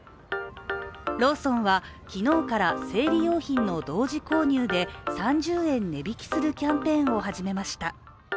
ローソンは昨日から生理用品の同時購入で３０円値引きするキャンペーンを始めました。